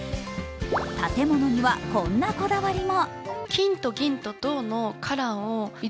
建物にはこんなこだわりも。